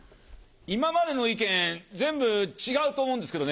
今までの意見全部違うと思うんですけどね。